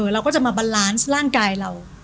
เราก็จะมาบันลานซ์ร่างกายเรา